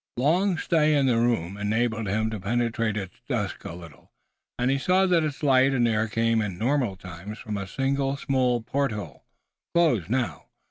Long stay in the room enabled him to penetrate its dusk a little, and he saw that its light and air came in normal times from a single small porthole, closed now.